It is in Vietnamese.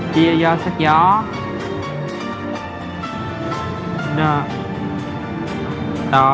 chia gió xách gió